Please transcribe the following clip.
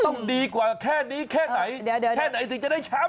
ต้องดีกว่าแค่นี้แค่ไหนแค่ไหนถึงจะได้แชมป์